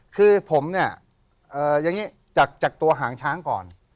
คือผมเนี่ยอย่างนี้จากตัวหางช้างก่อน